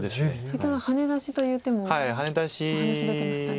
先ほどハネ出しという手もお話出てましたが。